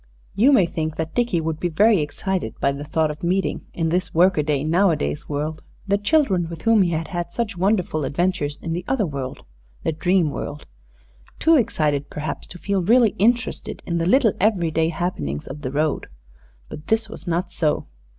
You may think that Dickie would be very excited by the thought of meeting, in this workaday, nowadays world, the children with whom he had had such wonderful adventures in the other world, the dream world too excited, perhaps, to feel really interested in the little every day happenings of "the road." But this was not so.